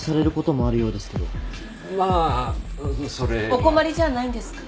お困りじゃないんですか？